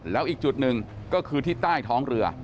แล้วอีกจุดหนึ่งก็คือที่ใต้ท้องเรือ